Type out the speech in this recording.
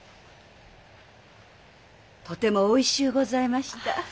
とてもおいしゅうございました。